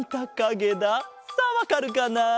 さあわかるかな？